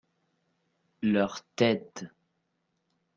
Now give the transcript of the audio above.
leur tête.